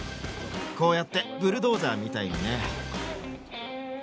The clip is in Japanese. こうやってブルドーザーみたいにね。